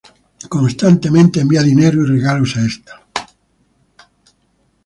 Constantemente envía dinero y regalos a esta.